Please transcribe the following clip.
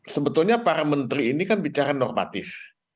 sebetulnya para menteri ini kan bicara normatif